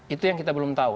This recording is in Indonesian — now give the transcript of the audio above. itu yang kita belum tahu